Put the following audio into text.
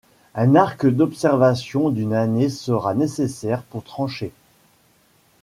Un arc d'observation d'une année sera nécessaire pour trancher.